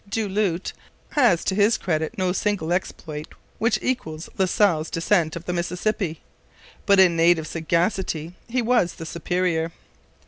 Du Lhut has to his credit no single exploit which equals La Salle's descent of the Mississippi, but in native sagacity he was the superior.